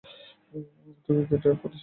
তোকে কে ড্রাইভ করতে শিখিয়েছে?